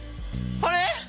あれ？